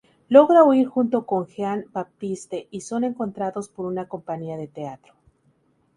Logra huir junto con Jean-Baptiste y son encontrados por una compañía de teatro.